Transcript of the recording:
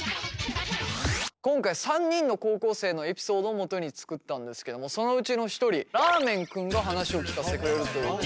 今回３人の高校生のエピソードをもとに作ったんですけどもそのうちの一人らーめん君が話を聞かせてくれるということで。